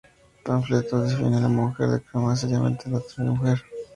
El panfleto defiende a la mujer y reclama seriamente la autoría de la mujer.